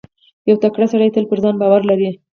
• یو تکړه سړی تل پر ځان باور لري.